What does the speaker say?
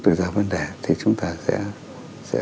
rồi ra vấn đề thì chúng ta sẽ